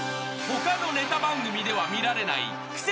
［他のネタ番組では見られない『クセスゴ』限定